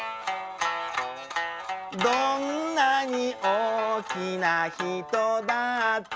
「どんなにおおきなひとだって」